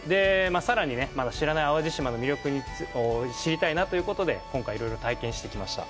さらにね、まだ知らない淡路島の魅力を知りたいなということで、今回いろいろ体験してきました。